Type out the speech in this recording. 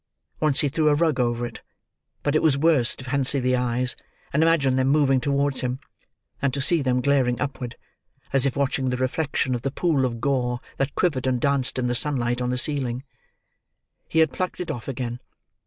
Once he threw a rug over it; but it was worse to fancy the eyes, and imagine them moving towards him, than to see them glaring upward, as if watching the reflection of the pool of gore that quivered and danced in the sunlight on the ceiling. He had plucked it off again.